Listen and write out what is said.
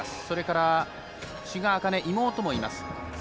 それから、志賀紅音、妹もいます。